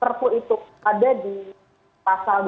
perpu itu ada di pasal